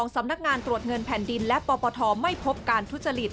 สำนักงานตรวจเงินแผ่นดินและปปทไม่พบการทุจริต